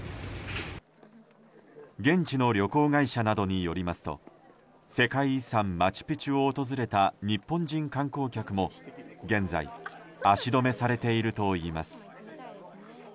現地の旅行会社などによりますと世界遺産マチュピチュを訪れた日本人観光客も現在足止めされているといいます。